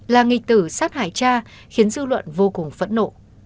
là nghi tử sát hại cha khiến dư luận vô cùng phẫn nộ